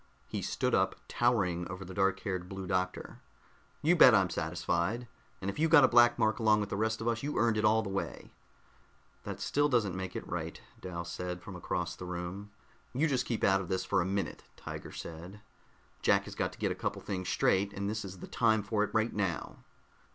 He stood up, towering over the dark haired Blue Doctor. "You bet I'm satisfied. And if you got a black mark along with the rest of us, you earned it all the way." "That still doesn't make it right," Dal said from across the room. "You just keep out of this for a minute," Tiger said. "Jack has got to get a couple of things straight, and this is the time for it right now."